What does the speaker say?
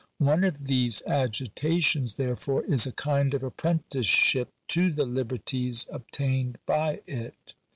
One of these agitations, therefore, is a kind of apprenticeship to the liberties obtained by it.